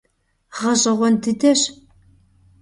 Гъэщӏэгъуэн дыдэщ.